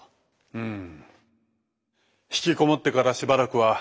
うん。